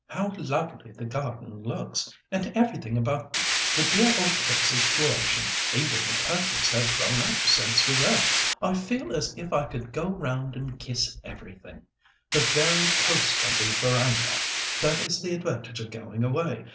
"How lovely the garden looks, and everything about the dear old place is flourishing; even the turkeys have grown up since we left. I feel as if I could go round and kiss everything—the very posts of the verandah. That is the advantage of going away.